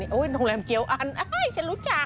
โอ้โฮโดงแรมเกี๊ยวอันชั้นรู้จัก